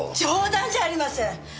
冗談じゃありません！